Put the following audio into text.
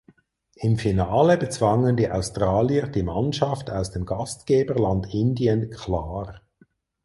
Im Finale bezwangen die Australier die Mannschaft aus dem Gastgeberland Indien klar.